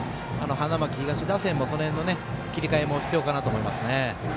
花巻東打線も、その辺の切り替え必要かなと思いますね。